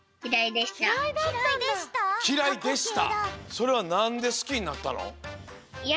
それはなんですきになったの？